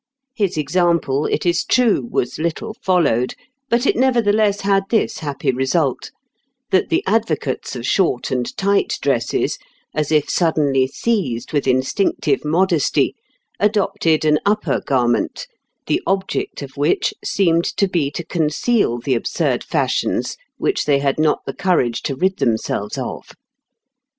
His example, it is true, was little followed, but it nevertheless had this happy resuit, that the advocates of short and tight dresses, as if suddenly seized with instinctive modesty, adopted an upper garment, the object of which seemed to be to conceal the absurd fashions which they had not the courage to rid themselves of.